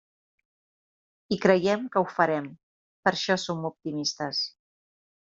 I creiem que ho farem, per això som optimistes.